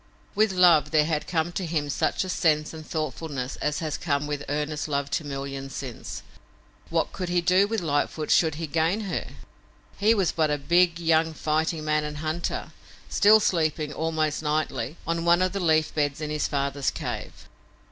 With love there had come to him such sense and thoughtfulness as has come with earnest love to millions since. What could he do with Lightfoot should he gain her? He was but a big, young fighting man and hunter, still sleeping, almost nightly, on one of the leaf beds in his father's cave.